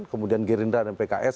kemudian gerindra dan pks